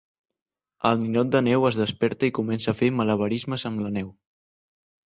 El ninot de neu es desperta i comença a fer malabarismes amb la neu.